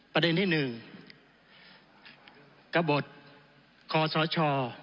ประเด็นที่หนึ่งกระบดคอซอชอ